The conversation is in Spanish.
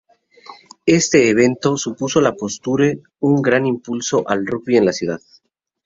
Este evento, supuso a la postre un gran impulso al rugby en la ciudad.